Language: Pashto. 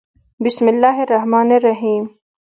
بسم الله الرحمن الرحیم